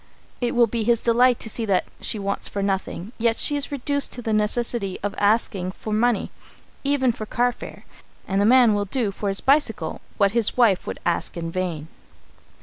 It will be his delight to see that she wants for nothing, yet she is reduced to the necessity of asking for money even for carfare and a man will do for his bicycle what his wife would ask in vain.